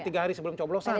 tiga hari sebelum coblosan